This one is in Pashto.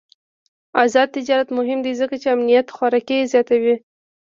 آزاد تجارت مهم دی ځکه چې امنیت خوراکي زیاتوي.